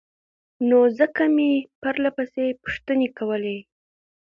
نو ځکه مې پرلهپسې پوښتنې کولې